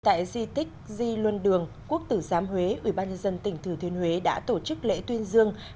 tại di tích di luân đường quốc tử giám huế ubnd tỉnh thừa thiên huế đã tổ chức lễ tuyên dương